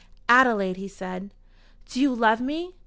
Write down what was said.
"Adelaide!" he said. "Do you love me?